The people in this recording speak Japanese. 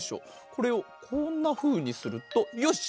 これをこんなふうにするとよし！